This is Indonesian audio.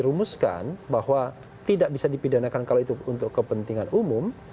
rumuskan bahwa tidak bisa dipidanakan kalau itu untuk kepentingan umum